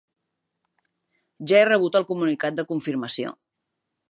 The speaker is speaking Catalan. Ja he rebut el comunicat de confirmació.